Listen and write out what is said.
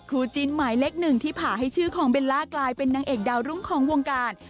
จีนหมายเลขหนึ่งที่ผ่าให้ชื่อของเบลล่ากลายเป็นนางเอกดาวรุ่งของวงการ